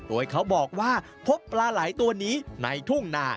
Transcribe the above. โดยเขาบอกว่าพบปลาไหล่ตัวนี้ในทุ่งนา